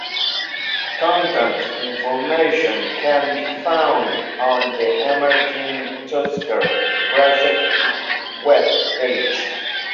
Contact information can be found on the Emerging Tuskers Project web page.